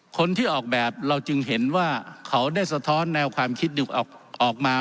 คนที่ออกแบบเราจึงเห็นว่าเขาได้สะท้อนแนวความคิดออกมา